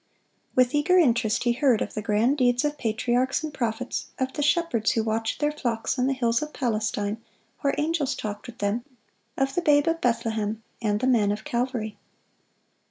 With eager interest he heard of the grand deeds of patriarchs and prophets, of the shepherds who watched their flocks on the hills of Palestine where angels talked with them, of the Babe of Bethlehem and the Man of Calvary.